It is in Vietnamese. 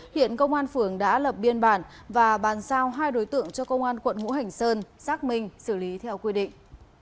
hiện công an phường đã lập biên bản và bàn giao hai đối tượng cho công an quận ngũ hành sơn xác minh xử lý theo quy định